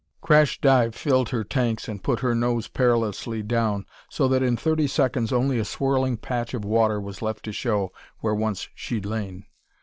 "Crash Dive" filled her tanks and put her nose perilously down, so that in thirty seconds only a swirling patch of water was left to show where once she'd lain.